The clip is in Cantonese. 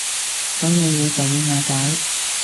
所有嘢就會瓦解